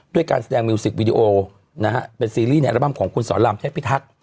ด้วยการแสดงมิวสิกวิดีโอนะฮะเป็นซีรีส์แหน่งอัลบั้มของคุณสำลัมแฮปปิทักษ์